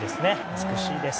美しいです。